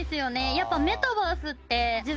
やっぱ。